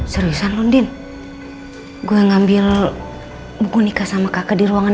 taatlahovg uang adalah koordinat wisnet menemukan